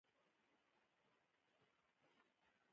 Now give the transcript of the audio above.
د ویښتو تویدو لپاره د پیاز اوبه په سر ومښئ